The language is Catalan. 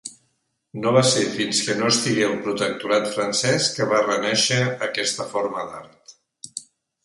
No va ser fins que no estigué el protectorat francès que va renàixer aquesta forma d'art.